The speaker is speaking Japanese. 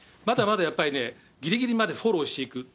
まだまだ、やっぱりぎりぎりまでフォローしていく。